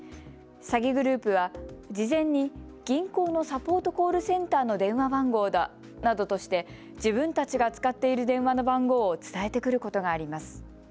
詐欺グループは事前に銀行のサポートコールセンターの電話番号だなどとして自分たちが使っている電話の番号を伝えてくることがあります。